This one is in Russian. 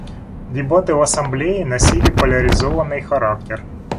Дебаты в Ассамблее носили поляризованный характер.